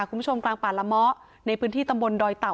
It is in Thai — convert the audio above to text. กลางป่าละเมาะในพื้นที่ตำบลดอยเต่า